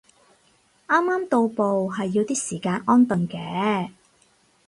啱啱到埗係要啲時間安頓嘅